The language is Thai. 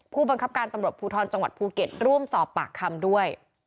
ผู้บังคับการตำรวจภูทรจังหวัดภูเก็ตร่วมสอบปากคำด้วย